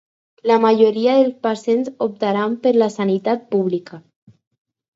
La majoria de pacients optaran per la sanitat pública.